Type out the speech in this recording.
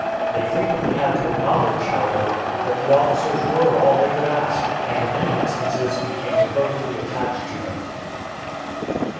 They frequently had to acknowledge, however, that the officers were all they could ask, and in many instances became devotedly attached to them.